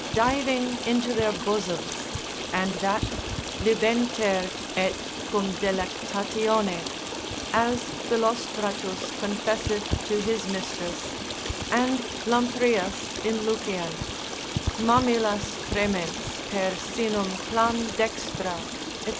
diving into their bosoms, and that libenter, et cum delectatione, as Philostratus confesseth to his mistress; and Lamprias in Lucian, Mammillas premens, per sinum clam dextra, &c.